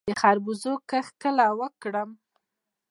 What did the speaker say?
د خربوزو کښت کله وکړم؟